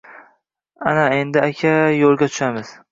Ana, endi, aka, yo’lga tushamiz!”